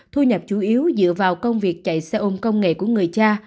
thu nhập chủ yếu dựa vào công việc chạy xe ôm công nghệ của người cha